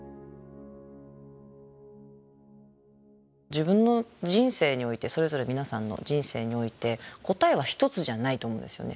自分の人生においてそれぞれ皆さんの人生において答えは一つじゃないと思うんですよね。